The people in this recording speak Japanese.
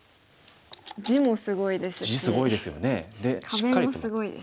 壁もすごいですね。